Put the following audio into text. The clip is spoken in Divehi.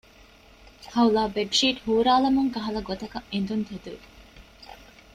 ހައުލާ ބެޑްޝީޓް ހޫރާލަމުން ކަހަލަ ގޮތަކަށް އެނދުން ތެދުވި